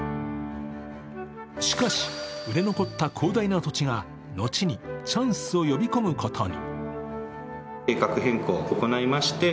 しかし売れ残った広大な土地が後にチャンスを呼び込むことに。